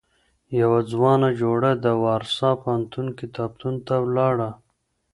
يوه ځوانه جوړه د وارسا پوهنتون کتابتون ته ولاړه.